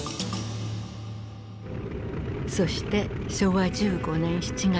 そして昭和１５年７月。